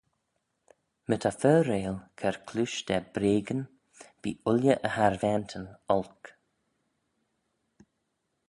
My ta fer-reill cur cleaysh da breagyn bee ooilley e harvaantyn olk.